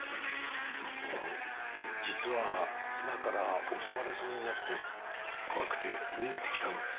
あの実は妻から襲われそうになって怖くて逃げて来たのです。